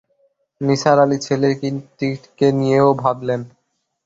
নিসার আলি ছেলেটিকে নিয়েও ভাবলেন।